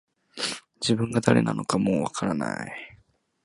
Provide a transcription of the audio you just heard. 自分が誰なのかもう分からない